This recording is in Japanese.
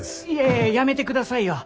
いややめてくださいよ。